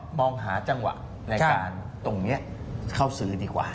มองหาจังหวะในการตรงนี้เข้าซื้อดีกว่า